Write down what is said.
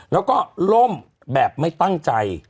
แล้วก็ล่มแบบไม่ตั้งใจ